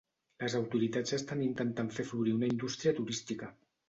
Les autoritats estan intentant fer florir una indústria turística.